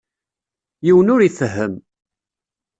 Yiwen ur ifehhem.